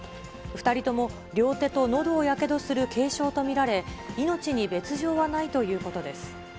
２人とも両手とのどをやけどする軽傷と見られ、命に別状はないということです。